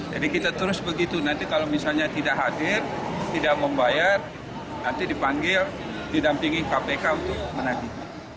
jadi kita terus begitu nanti kalau misalnya tidak hadir tidak membayar nanti dipanggil didampingi kpk untuk menandung